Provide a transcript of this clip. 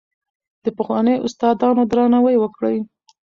د پخوانیو استادانو درناوی وکړئ.